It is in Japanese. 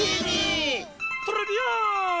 トレビアーン！